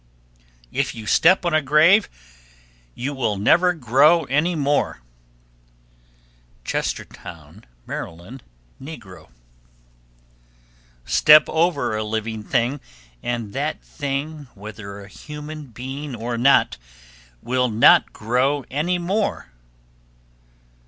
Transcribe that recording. If you step on a grave, you will never grow any more. Chestertown, Md. (negro). 1288. Step over a living thing, and that thing, whether a human being or not, will not grow any more.